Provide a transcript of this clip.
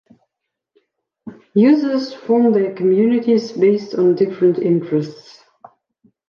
Users form their communities based on different interests.